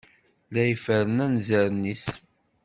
La iferren anzaren-is.